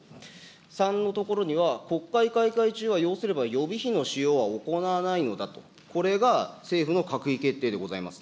３のところには、国会開会中は予備費の使用は行わないのだと、これが政府の閣議決定でございます。